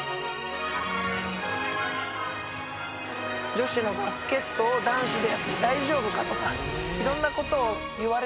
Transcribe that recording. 「“女子のバスケットを男子でやって大丈夫か？”とかいろんな事を言われてた」